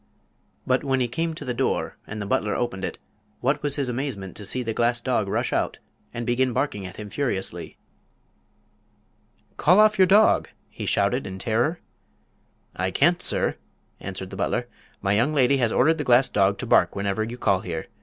But when he came to the door and the butler opened it, what was his amazement to see the glass dog rush out and begin barking at him furiously. "Call off your dog," he shouted, in terror. "I can't, sir," answered the butler. "My young lady has ordered the glass dog to bark whenever you call here.